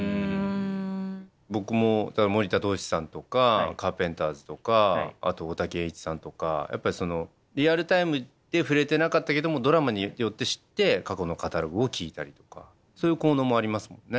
僕も森田童子さんとかカーペンターズとかあと大滝詠一さんとかやっぱりそのリアルタイムで触れてなかったけどもドラマによって知って過去のカタログを聴いたりとかそういう効能もありますもんね。